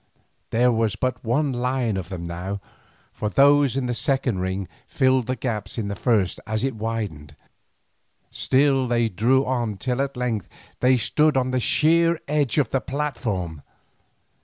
There was but one line of them now, for those in the second ring filled the gaps in the first as it widened; still they drew on till at length they stood on the sheer edge of the platform.